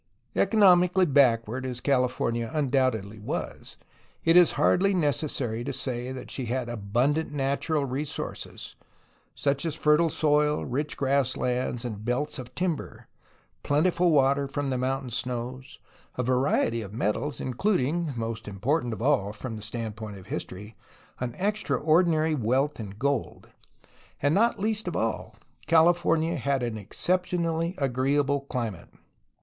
Economically backward as California undoubtedly was, it is hardly necessary to say that she had abundant natural resources, such as a fertile soil, rich grass lands and belts of timber, plentiful water from the mountain snows, a variety of metals, including (most important of all from the stand point of history) an extraordinary wealth in gold. And not least of all, California had an exceptionally agreeable climate.